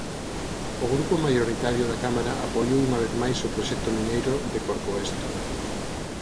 O grupo maioritario da Cámara apoiou unha vez máis o proxecto mineiro de Corcoesto.